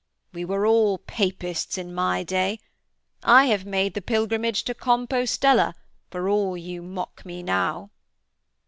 'We were all Papists in my day. I have made the pilgrimage to Compostella, for all you mock me now.'